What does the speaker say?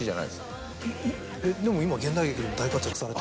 でも今現代劇でも大活躍されて。